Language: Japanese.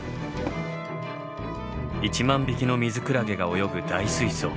１万匹のミズクラゲが泳ぐ大水槽。